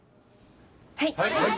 はい。